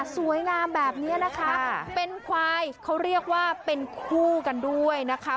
สวยงามแบบนี้นะคะเป็นควายเขาเรียกว่าเป็นคู่กันด้วยนะคะ